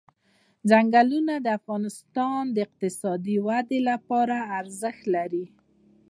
چنګلونه د افغانستان د اقتصادي ودې لپاره ارزښت لري.